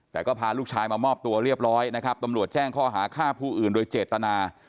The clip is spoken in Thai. แต่ก็พาลูกชายมามอบตัวเรียบร้อยนะครับตำรวจแจ้งข้อหาฆ่าผู้อื่นโดยเจตนา